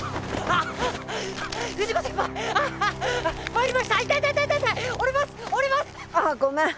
あっごめん。